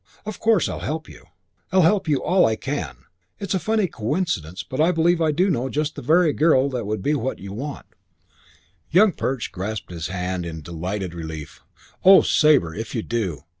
Of course, I'll help you. I'll help you all I can. It's a funny coincidence but I believe I do know just the very girl that would be what you want " Young Perch grasped his hand in delighted relief. "Oh, Sabre, if you do!